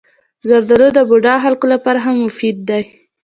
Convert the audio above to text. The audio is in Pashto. زردالو د بوډا خلکو لپاره هم مفید دی.